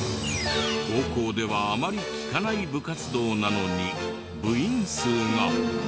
高校ではあまり聞かない部活動なのに部員数が。